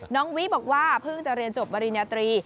น้องวิบอกว่าเพิ่งจะเรียนจบปริญญาตรี